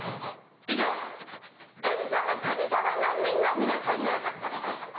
以上、「エンタの神様」難民の皆さんです。